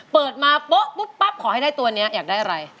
เปิดมาโป๊ะปุ๊บปั๊บขอให้ได้ตัวนี้อยากได้อะไร